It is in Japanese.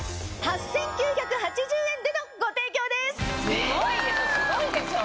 すごいでしょすごいでしょ。